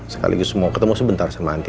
sekali lagi semua ketemu sebentar sama andi